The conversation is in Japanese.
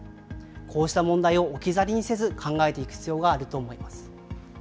こうした問題を置き去りにせず考えていく必要があると思います。